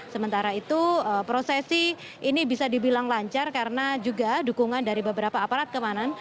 sementara itu prosesi ini bisa dibilang lancar karena juga dukungan dari beberapa aparat keamanan